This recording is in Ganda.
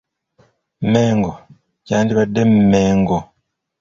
Mengo: Kyandibadde Mmengo.